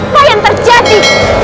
apa yang terjadi